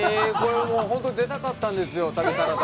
本当に出たかったんですよ、旅サラダ。